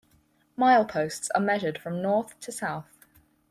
Mileposts are measured from north to south.